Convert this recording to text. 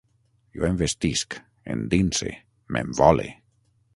Jo envestisc, endinse, m'envole